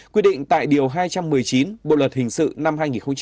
quy định tại điều hai trăm một mươi chín bộ luật hình sự năm hai nghìn một mươi năm